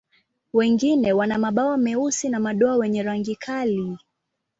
Wengine wana mabawa meusi na madoa wenye rangi kali.